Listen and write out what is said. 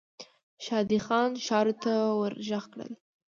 شادي خان ښارو ته ور ږغ کړل.